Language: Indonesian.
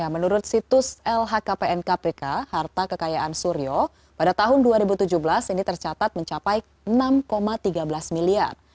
menurut situs lhkpn kpk harta kekayaan suryo pada tahun dua ribu tujuh belas ini tercatat mencapai enam tiga belas miliar